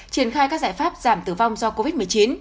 triển khai các giải pháp giảm tử vong do covid một mươi chín